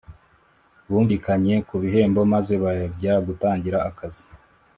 Bumvikanye ku bihembo maze bajya gutangira akazi